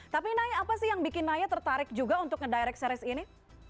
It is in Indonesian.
tapi naya apa sih yang bikin naya tertarik juga untuk nge direct series ini